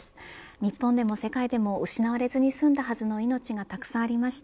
日本でも世界でも失われずに済んだはずの命がたくさんありました。